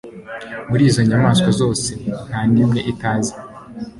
muri izo nyamaswa zose, nta n'imwe itazi